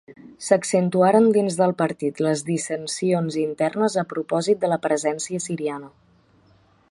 S'accentuaren dins del partit les dissensions internes a propòsit de la presència siriana.